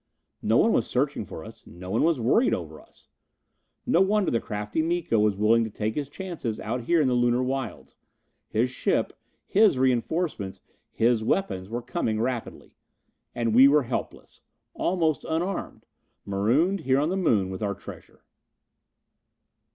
No one was searching for us no one was worried over us. No wonder the crafty Miko was willing to take his chances out here in the Lunar wilds! His ship, his reinforcements, his weapons were coming rapidly! And we were helpless. Almost unarmed. Marooned here on the Moon with our treasure!